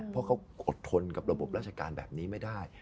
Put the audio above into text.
เพราะเขาอดทนกับระบบราชการแบบนี้ไม่ได้